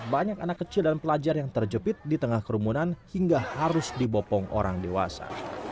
banyak anak kecil dan pelajar yang terjepit di tengah kerumunan hingga harus dibopong orang dewasa